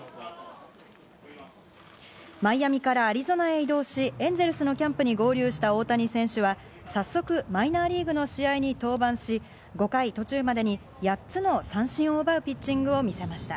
マイアミからアリゾナへ移動し、エンゼルスのキャンプに合流した大谷選手は早速マイナーリーグの試合に登板し、５回途中までに８つの三振を奪うピッチングを見せました。